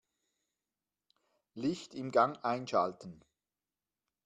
Licht im Gang einschalten.